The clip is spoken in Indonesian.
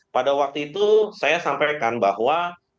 pada waktu itu saya sampaikan bahwa